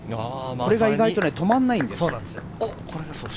これが止まらないんです。